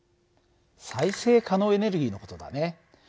再生可能エネルギーの事だね。